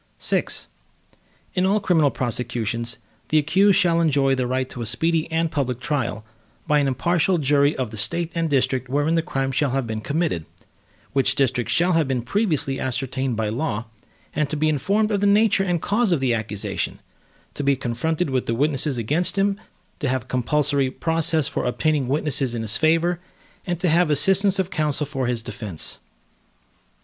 VI In all criminal prosecutions, the accused shall enjoy the right to a speedy and public trial, by an impartial jury of the State and district wherein the crime shall have been committed, which district shall have been previously ascertained by law, and to be informed of the nature and cause of the accusation; to be confronted with the witnesses against him; to have compulsory process for obtaining witnesses in his favor, and to have the assistance of counsel for his defense.